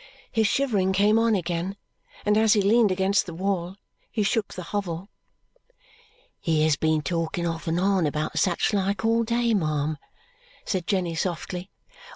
His shivering came on again, and as he leaned against the wall, he shook the hovel. "He has been talking off and on about such like all day, ma'am," said Jenny softly.